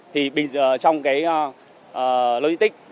thì bây giờ trong cái logistic